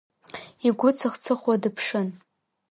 Игәы цых-цыхуа дыԥшын.